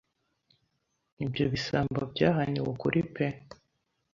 Ibyo bisambo byahaniwe ukuri pe